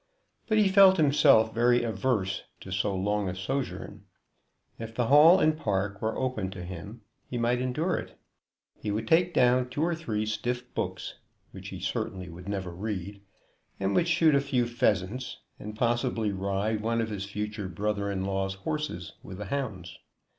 But he felt himself very averse to so long a sojourn. If the Hall and park were open to him he might endure it. He would take down two or three stiff books which he certainly would never read, and would shoot a few pheasants, and possibly ride one of his future brother in law's horses with the hounds.